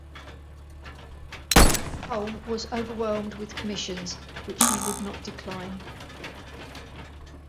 Holl was overwhelmed with commissions, which he would not decline.